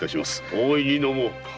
大いに飲もう！